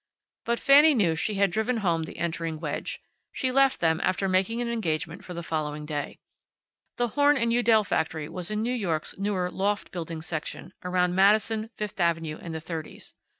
But Fanny knew she had driven home the entering wedge. She left them after making an engagement for the following day. The Horn & Udell factory was in New York's newer loft building section, around Madison, Fifth avenue, and the Thirties.